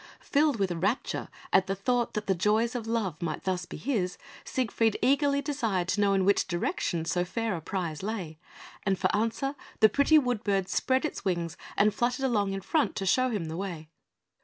Filled with rapture at the thought that the joys of love might thus be his, Siegfried eagerly desired to know in which direction so fair a prize lay; and for answer, the pretty wood bird spread its wings and fluttered along in front to show him the way.